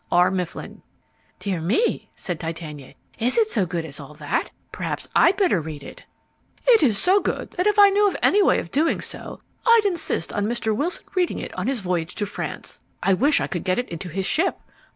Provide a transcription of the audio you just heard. R. MIFFLIN. "Dear me," said Titania, "Is it so good as all that? Perhaps I'd better read it." "It is so good that if I knew any way of doing so I'd insist on Mr. Wilson reading it on his voyage to France. I wish I could get it onto his ship.